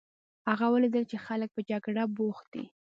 هغه ولیدل چې خلک په جګړه بوخت دي.